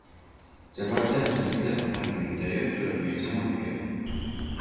zabardast yigitlar har kuni tayyor turadigan zamon keldi.